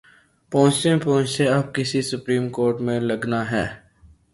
پہنچتے پہنچتے اب کیس سپریم کورٹ میں لگناہے۔